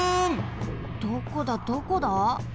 どこだどこだ？